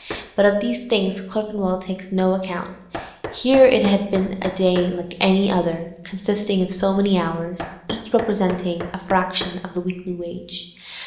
But of these things Clerkenwell takes no count; here it had been a day like any other, consisting of so many hours, each representing a fraction of the weekly wage.